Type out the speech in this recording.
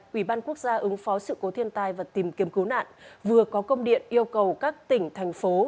quỹ ban quốc gia ứng phó sự cố thiên tai và tìm kiếm cứu nạn vừa có công điện yêu cầu các tỉnh thành phố